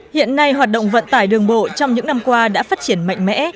hiện nay hoạt động vận tải đường bộ trong những năm qua đã phát triển mạnh mẽ